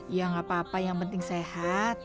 ya gak apa apa yang penting sehat